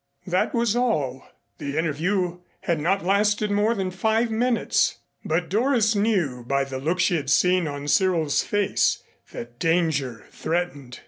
That was all. The interview had not lasted more than five minutes, but Doris knew by the look she had seen on Cyril's face that danger threatened.